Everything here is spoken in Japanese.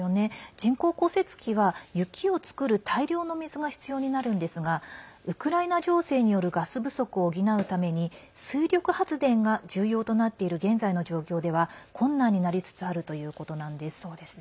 人工降雪機は雪を作る大量の水が必要になるんですがウクライナ情勢によるガス不足を補うために水力発電が重要となっている現在の状況では困難になりつつあるということなんです。